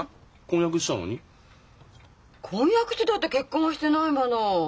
婚約してたって結婚はしてないもの。